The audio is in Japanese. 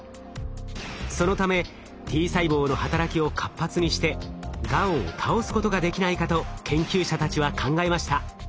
そのためＴ細胞の働きを活発にしてがんを倒すことができないかと研究者たちは考えました。